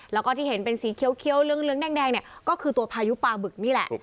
แล้วก็ที่เห็นเป็นสีเขียวเหลืองแดงเนี่ยก็คือตัวพายุปลาบึกนี่แหละ